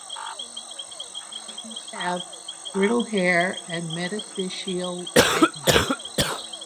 The patients have brittle hair and metaphyseal widening.